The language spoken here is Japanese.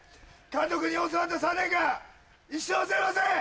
監督に教わった３年間一生忘れません！